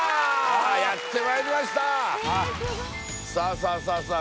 さあさあさあさあ